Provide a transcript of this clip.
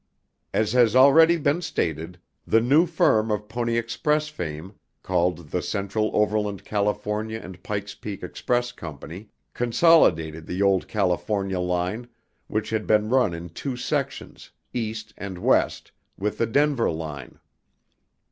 As has already been stated, the new firm of Pony Express fame called the Central Overland California and Pike's Peak Express Co. consolidated the old California line, which had been run in two sections, East and West, with the Denver line.